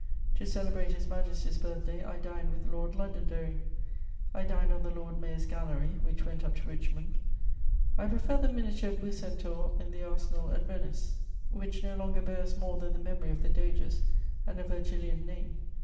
To celebrate His Majesty's birthday, I dined with Lord Londonderry; I dined on the Lord Mayor's galley, which went up to Richmond: I prefer the miniature Bucentaur in the arsenal at Venice, which no longer bears more than the memory of the Doges and a Virgilian name.